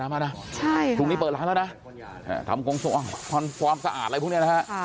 มานะถุงนี้เปิดร้านแล้วนะทำกงส่วนความสะอาดอะไรพวกนี้นะครับค่ะ